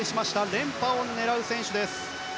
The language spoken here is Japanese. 連覇を狙う選手です。